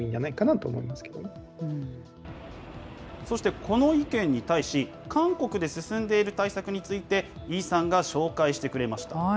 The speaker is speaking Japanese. そしてこの意見に対し、韓国で進んでいる対策について、イさんが紹介してくれました。